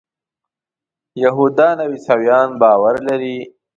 یهودان او عیسویان باور لري.